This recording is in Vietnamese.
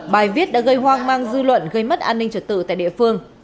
bài viết đã gây hoang mang dư luận gây mất an ninh trật tự tại địa phương